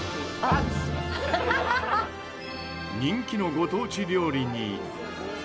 人気のご当地料理に。